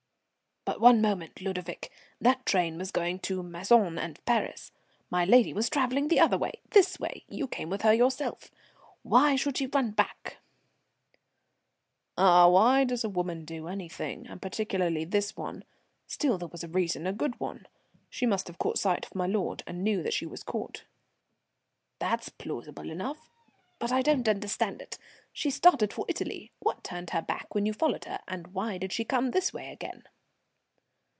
"But, one moment, Ludovic, that train was going to Maçon and Paris. My lady was travelling the other way this way. You came with her yourself. Why should she run back again?" "Ah! Why does a woman do anything, and particularly this one? Still there was a reason, a good one. She must have caught sight of my lord, and knew that she was caught." "That's plausible enough, but I don't understand it. She started for Italy; what turned her back when you followed her, and why did she come this way again?"